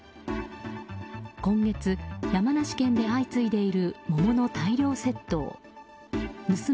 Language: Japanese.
今月、山梨県で相次いでいる桃の大量窃盗。